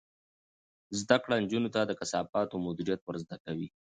زده کړه نجونو ته د کثافاتو مدیریت ور زده کوي.